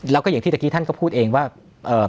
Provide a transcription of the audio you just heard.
แล้วก็อย่างที่ตะกี้ท่านก็พูดเองว่า